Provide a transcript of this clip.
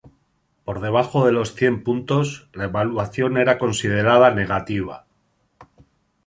Por debajo de los cien puntos, la evaluación era considerada negativa.